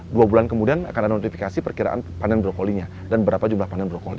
dua bulan kemudian akan ada notifikasi perkiraan panen brokolinya dan berapa jumlah panen brokoli